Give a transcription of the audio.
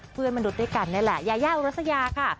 เพื่อนมนุษย์ด้วยกันนี่แหละยายาอุรัสยาค่ะ